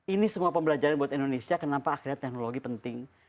ini semua pembelajaran buat indonesia kenapa akhirnya teknologi penting